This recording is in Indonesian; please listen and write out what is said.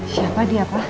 siapa dia pak